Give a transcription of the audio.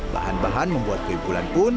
bahan bahan membuat kue bulan pun